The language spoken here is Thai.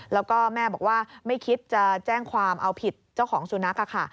แล้วก็แม่บอกว่าไม่คิดจะแจ้งความเอาผิดเจ้าของสุนัขค่ะ